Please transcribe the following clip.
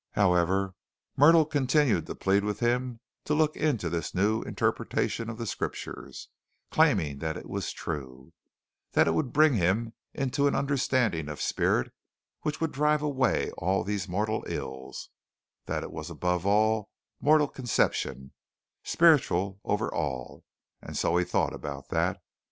However, Myrtle continued to plead with him to look into this new interpretation of the Scriptures, claiming that it was true, that it would bring him into an understanding of spirit which would drive away all these mortal ills, that it was above all mortal conception spiritual over all, and so he thought about that.